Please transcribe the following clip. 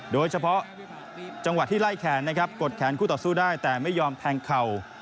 โดยเฉพาะจังหวะที่ไล่แขนนะครับกดแขนคู่ต่อสู้ได้แต่ไม่ยอมแทงเข่า